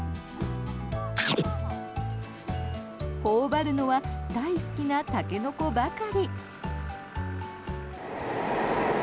頬張るのは大好きなタケノコばかり。